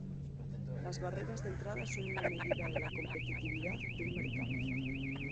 Las barreras de entrada son una medida de la competitividad de un mercado.